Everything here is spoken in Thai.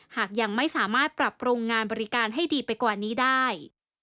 หากยังไม่สามารถปรับปรุงงานบริการให้ดีไปกว่านี้ได้